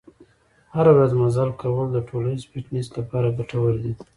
هره ورځ مزل کول د ټولیز فټنس لپاره ګټور دي.